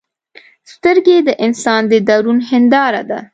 سترګې د انسان د درون هنداره ده